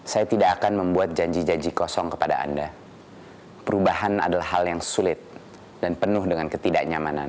saya tidak akan membuat janji janji kosong kepada anda perubahan adalah hal yang sulit dan penuh dengan ketidaknyamanan